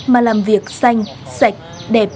mà làm việc xanh sạch đẹp